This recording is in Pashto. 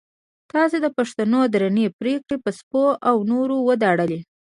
تا د پښتنو درنې پګړۍ په سپو او نورو وداړلې.